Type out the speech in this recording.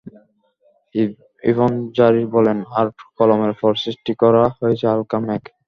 ইবন জারীর বলেনঃ আর কলমের পর সৃষ্টি করা হয়েছে হালকা মেঘ।